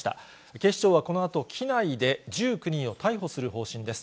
警視庁はこのあと、機内で１９人を逮捕する方針です。